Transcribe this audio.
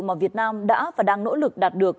mà việt nam đã và đang nỗ lực đạt được